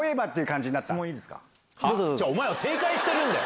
違うよ、お前、正解してるんだよ。